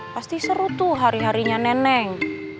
pasti seru tuh hari harinya neneng